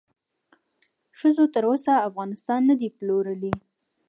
ښځو تر اوسه افغانستان ندې پلورلی